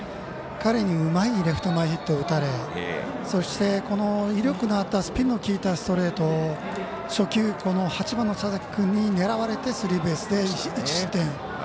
彼にうまいレフト前ヒットを打たれそして、この威力のあったスピンの利いたストレート初球、８番の佐々木君に狙われてスリーベースで１失点。